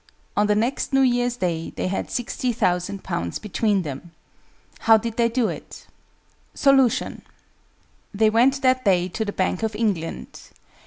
On the next New Year's Day they had 60,000_l._ between them. How did they do it? Solution. They went that day to the Bank of England.